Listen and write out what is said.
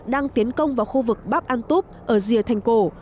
đang tiến công vào khu vực bap antup ở rìa thành cổ